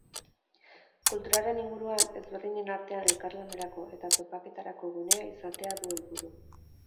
Kulturaren inguruan, ezberdinen artean elkarlanerako eta topaketarako gunea izatea du helburu.